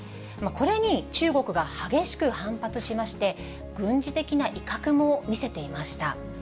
これに中国が激しく反発しまして、軍事的な威嚇も見せていました。